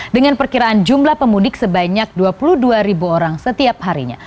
dengan perkiraan jumlah pemudik sebanyak dua puluh dua ribu orang setiap harinya